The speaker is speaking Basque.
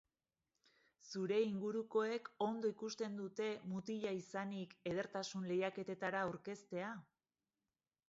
Zure ingurukoek ondo ikusten dute mutila izanik edertasun lehiaketetara aurkeztea?